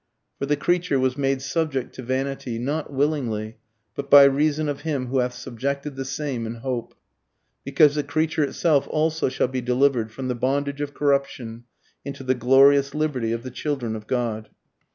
"For the creature was made subject to vanity, not willingly, but by reason of him who hath subjected the same in hope; "Because the creature itself also shall be delivered from the bondage of corruption into the glorious liberty of the children of God."